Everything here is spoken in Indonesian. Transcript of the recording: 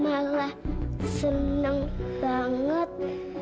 malah seneng banget